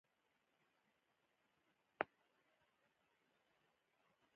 پامیر د افغانستان د پوهنې نصاب کې شامل دي.